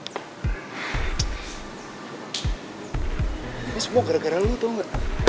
ini semua gara gara lo tau ga